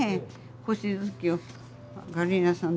星月夜ガリーナさん